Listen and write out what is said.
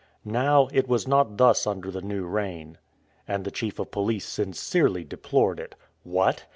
Now, it was not thus under the new reign, and the chief of police sincerely deplored it. What!